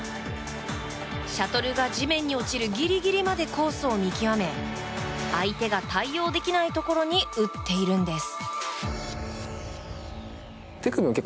シャトルが地面に落ちるギリギリまでコースを見極め相手が対応できないところに打っているんです。